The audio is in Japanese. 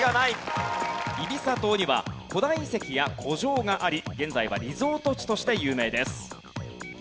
イビサ島には古代遺跡や古城があり現在はリゾート地として有名です。